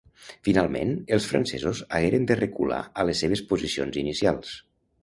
Finalment, els francesos hagueren de recular a les seves posicions inicials.